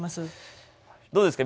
どうですか？